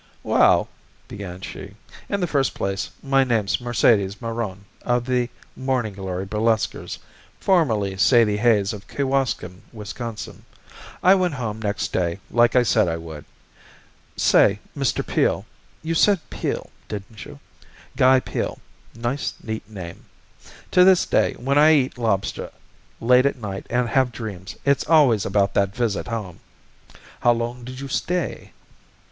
"Well," began she, "in the first place, my name's Mercedes Meron, of the Morning Glory Burlesquers, formerly Sadie Hayes of Kewaskum, Wisconsin. I went home next day, like I said I would. Say, Mr. Peel (you said Peel, didn't you? Guy Peel. Nice, neat name), to this day, when I eat lobster late at night, and have dreams, it's always about that visit home." "How long did you stay?"